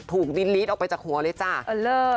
ถูกดินลีดออกไปจากหัวเลยจ้ะ